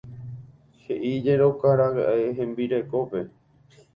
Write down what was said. He'íjekoraka'e hembirekópe.